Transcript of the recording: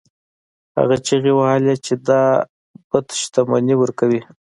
هغه چیغې وهلې چې دا بت شتمني ورکوي.